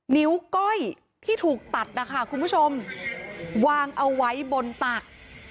นิ้วก้อยที่ถูกตัดนะคะคุณผู้ชมวางเอาไว้บนตัก